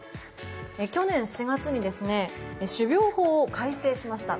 去年４月に種苗法を改正しました。